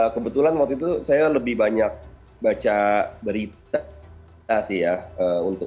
kebetulan waktu itu saya lebih banyak baca berita sih ya